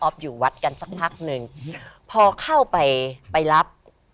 พอเข้าไปไปรับ